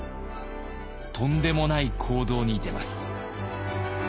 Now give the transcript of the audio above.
とんでもない行動に出ます。